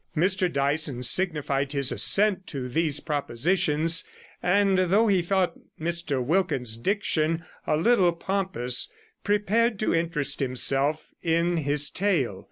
Mr Dyson signified his assent to these propositions; and though he thought Mr Wilkins's diction a little pompous, prepared to interest himself in his tale.